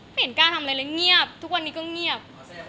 ไม่เห็นการทำอะไรเนี่ยนี่ทุกวันนี้ก็เงียบ